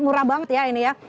murah banget ya ini ya